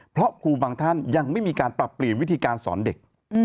เพราะครูบางท่านยังไม่มีการปรับเปลี่ยนวิธีการสอนเด็ก